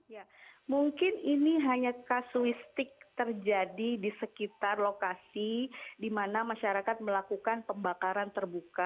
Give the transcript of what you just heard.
ya mungkin ini hanya kasuistik terjadi di sekitar lokasi di mana masyarakat melakukan pembakaran terbuka